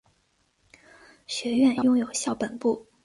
学院拥有校本部。